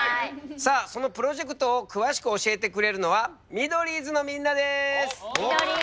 さあそのプロジェクトを詳しく教えてくれるのはミドリーズのみんなです。